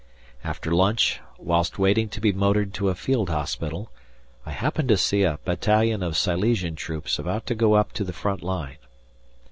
After lunch, whilst waiting to be motored to a field hospital, I happened to see a battalion of Silesian troops about to go up to the front line.